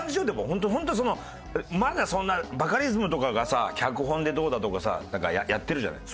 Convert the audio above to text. ホントにそんなまだそんなバカリズムとかがさ脚本でどうだとかさなんかやってるじゃない。